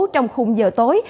trong khung giờ tối